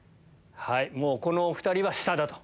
このお２人は下だと。